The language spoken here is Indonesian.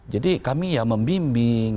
jadi kami ya membimbing